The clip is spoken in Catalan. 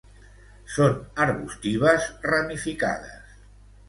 Són arbustives ramificades.